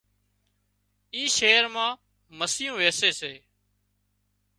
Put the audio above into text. اي شهر مان مسيون ويسي سي